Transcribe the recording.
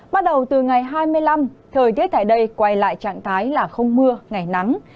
bắt đầu từ ngày hai mươi năm thời tiết tại đây quay lại trạng thái là không mưa ngày nắng